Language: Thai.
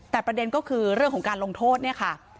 แต่ประเด็นก็คือเรื่องของการลงโทษเนี่ยค่ะ